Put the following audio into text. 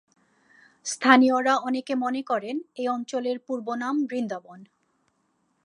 স্থানীয়রা অনেকে মনে করেন, এ অঞ্চলের পূর্ব নাম বৃন্দাবন।